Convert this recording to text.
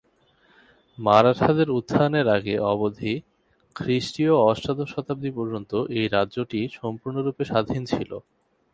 মারাঠাদের উত্থানের আগে অবধি খ্রিস্টীয় অষ্টাদশ শতাব্দী পর্যন্ত এই রাজ্যটি সম্পূর্ণরূপে স্বাধীন ছিল।